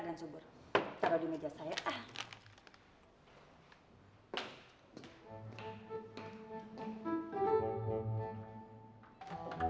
kalo di meja saya ah